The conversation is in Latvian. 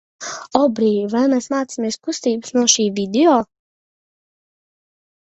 Obrij, vai mēs mācījāmies kustības no šī video?